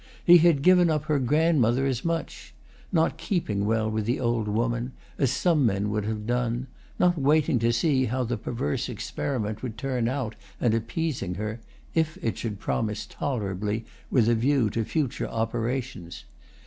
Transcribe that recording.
he had given up her grandmother as much: not keeping well with the old woman, as some men would have done; not waiting to see how the perverse experiment would turn out and appeasing her, if it should promise tolerably, with a view to future operations.